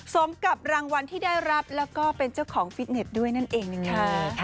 สมกับรางวัลที่ได้รับแล้วก็เป็นเจ้าของฟิตเน็ตด้วยนั่นเองนะคะ